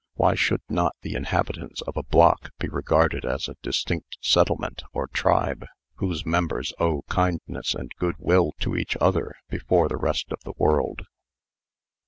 Why should not the inhabitants of a block be regarded as a distinct settlement, or tribe, whose members owe kindness and goodwill to each other before the rest of the world?